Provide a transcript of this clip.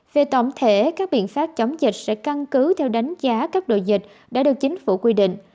về tổng thể các biện pháp chống dịch sẽ căn cứ theo đánh giá cấp độ dịch đã được chính phủ quy định